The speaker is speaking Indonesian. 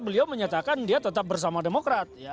beliau menyatakan dia tetap bersama demokrat